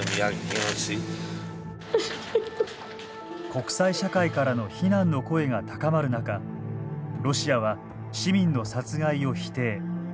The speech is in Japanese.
国際社会からの非難の声が高まる中ロシアは市民の殺害を否定。